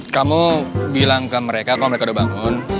kamu bilang ke mereka kok mereka udah bangun